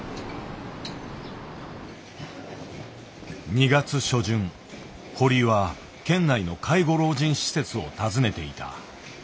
２月初旬堀井は県内の介護老人施設を訪ねていた。